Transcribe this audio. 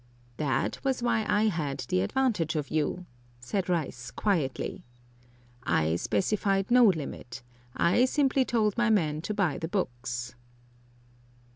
"That was where I had the advantage of you," said Rice, quietly. "I specified no limit; I simply told my man to buy the books."